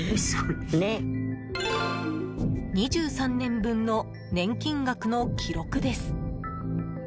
２３年分の年金額の記録です。